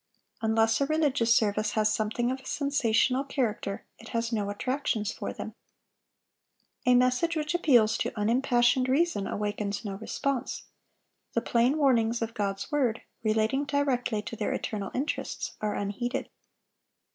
Unless a religious service has something of a sensational character, it has no attractions for them. A message which appeals to unimpassioned reason awakens no response. The plain warnings of God's word, relating directly to their eternal interests, are unheeded.